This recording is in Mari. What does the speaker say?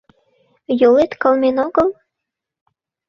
— Йолет кылмен огыл?